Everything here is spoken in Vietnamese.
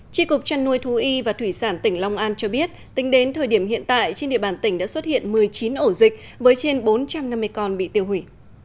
tri cục trăn nuôi thú y và thủy sản tỉnh long an cho biết tính đến thời điểm hiện tại trên địa bàn tỉnh đã xuất hiện một mươi chín ổ dịch với trên bốn trăm năm mươi con bị tiêu hủy